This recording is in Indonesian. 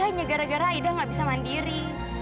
hanya gara gara aida gak bisa mandiri